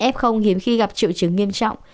f hiếm khi gặp triệu chứng nghiêm trọng